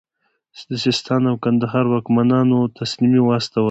د سیستان او کندهار واکمنانو تسلیمي واستوله.